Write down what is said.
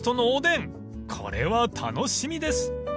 ［これは楽しみです］